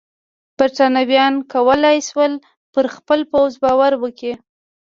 برېټانویانو کولای شول پر خپل پوځ باور وکړي.